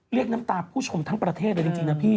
น้ำตาผู้ชมทั้งประเทศเลยจริงนะพี่